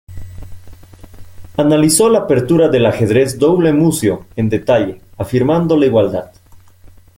Analizó la apertura del ajedrez Double Muzio en detalle, afirmando la igualdad.